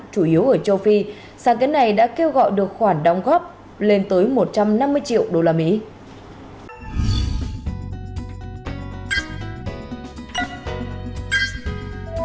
chủ yếu ở châu phi sáng kiến này đã kêu gọi được khoản đóng góp lên tới một trăm năm mươi triệu usd